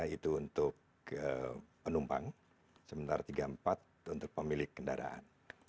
tiga puluh tiga itu untuk penumpang sementara tiga puluh empat itu untuk pemilik kendaraan